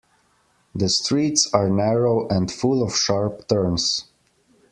The streets are narrow and full of sharp turns.